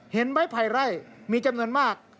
เห็นไม้ไผ่ไร่มีจำนวนมาก